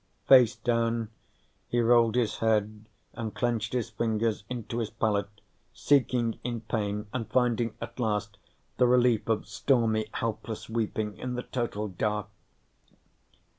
Face down, he rolled his head and clenched his fingers into his pallet, seeking in pain and finding at last the relief of stormy helpless weeping in the total dark.